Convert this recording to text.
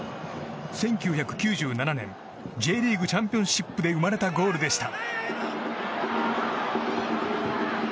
１９９７年Ｊリーグチャンピオンシップで生まれたゴールでした。